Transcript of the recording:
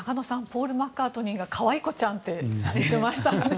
ポール・マッカートニーがかわいこちゃんって言っていましたね。